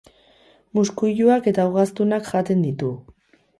Muskuiluak eta ugaztunak jaten ditu.